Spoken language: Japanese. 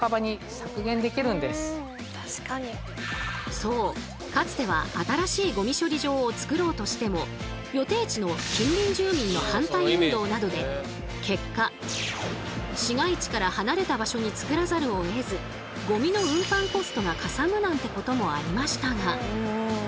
そうかつては新しいゴミ処理場をつくろうとしても予定地の近隣住民の反対運動などで結果市街地から離れた場所につくらざるをえずゴミの運搬コストがかさむなんてこともありましたが。